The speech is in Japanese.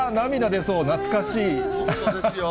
そうですよ。